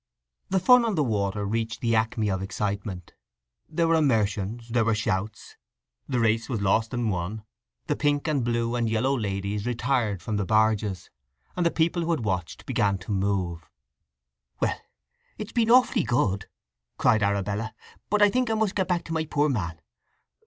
The fun on the water reached the acme of excitement; there were immersions, there were shouts: the race was lost and won, the pink and blue and yellow ladies retired from the barges, and the people who had watched began to move. "Well—it's been awfully good," cried Arabella. "But I think I must get back to my poor man.